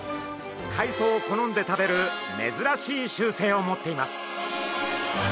海藻を好んで食べる珍しい習性を持っています。